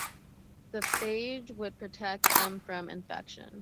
The phage would protect them from infection.